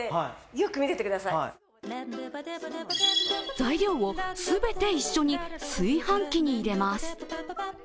材料を全て一緒に炊飯器に入れます。